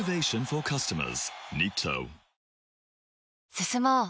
進もう。